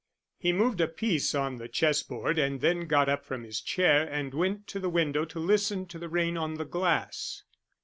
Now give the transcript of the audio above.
He moved a piece on the chess board and then got up from his chair and went to the window to listen to the rain on the glass.